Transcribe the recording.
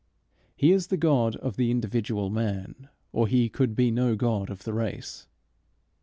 He is the God of the individual man, or he could be no God of the race.